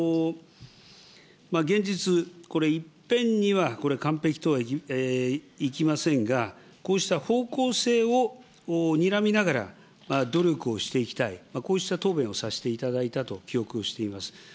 現実、いっぺんにはこれ、完璧とはいきませんが、こうした方向性をにらみながら、努力をしていきたい、こうした答弁をさせていただいたと記憶しております。